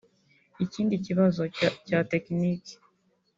ikindi kibazo cya tekiniki